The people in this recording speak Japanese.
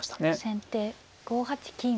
先手５八金。